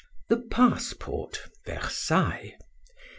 THE PASSPORT. VERSAILLES.